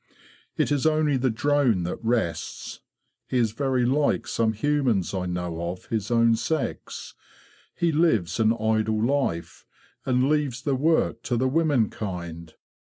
It is only the drone that rests. He is very like some humans I know of his own sex; he lives an idle life, and leaves the work to the womenkind.